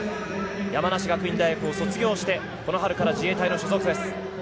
山梨学院大学を卒業してこの春から自衛隊の所属です。